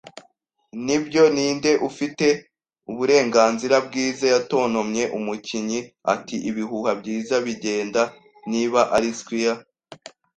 “Nibyo, ni nde ufite uburenganzira bwiza?” yatontomye umukinyi. Ati: "Ibihuha byiza bigenda niba ari squire